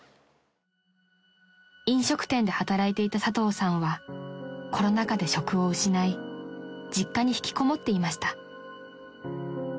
［飲食店で働いていた佐藤さんはコロナ禍で職を失い実家に引きこもっていました］